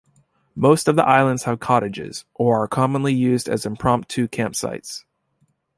Most of the islands have cottages or are commonly used as impromptu campsites.